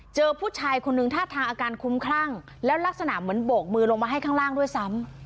เจอผู้ชายคนนึงท่าทางอาการคุ้มคลั่งแล้วลักษณะเหมือนโบกมือลงมาให้ข้างล่างด้วยซ้ำ